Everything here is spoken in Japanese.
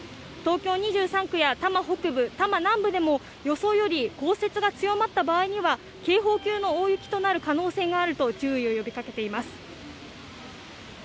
東京２３区や多摩北部、多摩南部でも予想よりも降雪が強まった場合には警報級の大雪となる可能性があると注意を呼びかけています。